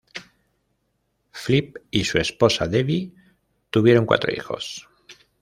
Flip y su esposa Debbie tuvieron cuatro hijos.